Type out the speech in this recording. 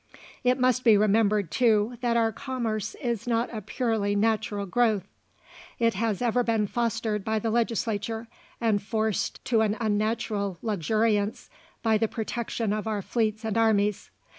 It must be remembered too that our commerce is not a purely natural growth. It has been ever fostered by the legislature, and forced to an unnatural luxuriance by the protection of our fleets and armies.